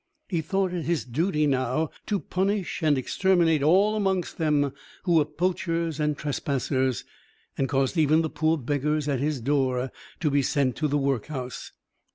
He thought it his duty now to punish and exterminate all amongst them who were poachers and trespassers, and caused even the poor beggars at his door to be sent to the workhouse.